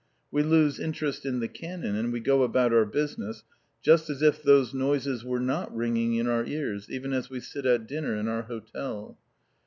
We lose interest in the cannon, and we go about our business, just as if those noises were not ringing in our ears, even as we sit at dinner in our hotel.